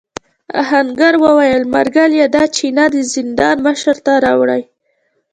آهنګر وویل ملګري دا چپنه د زندان مشر ته راوړې.